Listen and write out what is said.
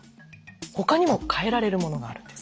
他にも変えられるものがあるんです。